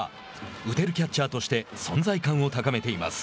打てるキャッチャーとして存在感を高めています。